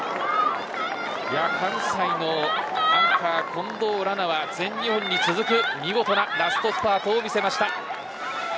関西の近藤来那は全日本に続く見事なラストスパートを見せました。